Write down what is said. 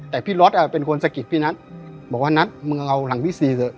แต่พี่รถเป็นคนสะกิดพี่นัทบอกว่านัทมึงเอาหลังพี่ซีเถอะ